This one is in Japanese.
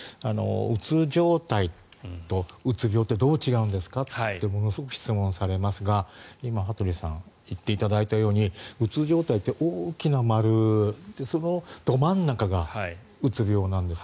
うつ状態とうつ病ってどう違うんですかってものすごく質問されますが今、羽鳥さんが言っていただいたようにうつ状態って大きな丸でそのど真ん中がうつ病なんです。